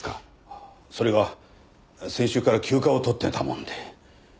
それが先週から休暇を取ってたもんで。